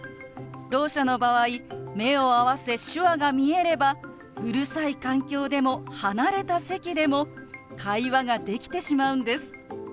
ろう者の場合目を合わせ手話が見えればうるさい環境でも離れた席でも会話ができてしまうんです。